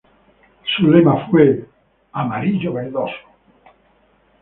Su lema fue